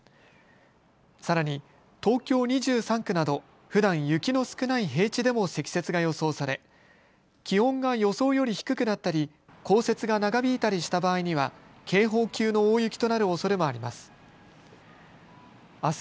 さらに東京２３区などふだん雪の少ない平地でも積雪が予想され気温が予想より低くなったり降雪が長引いたりした場合には警報級の大雪となるおそれもあります。